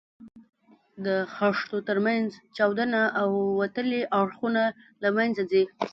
د خښتو تر منځ چاودونه او وتلي اړخونه له منځه ځي.